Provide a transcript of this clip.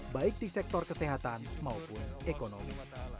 baik di sektor kesehatan maupun ekonomi